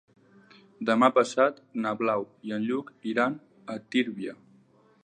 Demà passat na Blau i en Lluc iran a Tírvia.